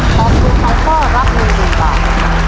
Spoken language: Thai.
ตอบถูก๓ข้อรับ๑ถูก๑บาท